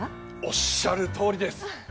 おっしゃるとおりです！